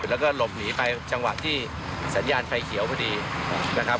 แล้วก็หลบหนีไปจังหวะที่สัญญาณไฟเขียวพอดีนะครับ